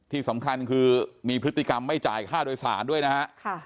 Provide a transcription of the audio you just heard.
ที่สำคัญคือมีพฤติกรรมไม่จ่ายค่าโดยสารด้วยนะฮะ